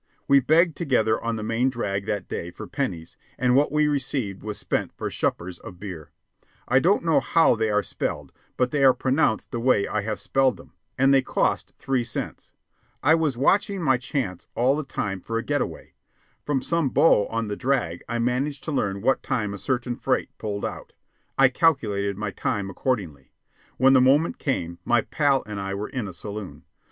We begged together on the "main drag" that day for pennies, and what we received was spent for "shupers" of beer I don't know how they are spelled, but they are pronounced the way I have spelled them, and they cost three cents. I was watching my chance all the time for a get away. From some bo on the drag I managed to learn what time a certain freight pulled out. I calculated my time accordingly. When the moment came, my pal and I were in a saloon.